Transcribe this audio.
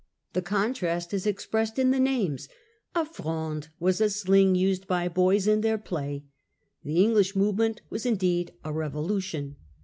The contrast is expressed in the names. A fronde was a sling used by boys in theii play. The English movement was indeed a Revolution.